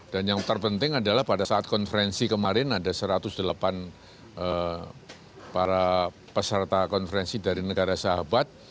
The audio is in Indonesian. dan yang terpenting adalah pada saat konferensi kemarin ada satu ratus delapan para peserta konferensi dari negara sahabat